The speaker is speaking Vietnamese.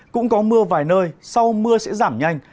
cũng có mưa vài nơi sau mưa sẽ giảm nhanh